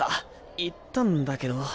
言ったんだけど。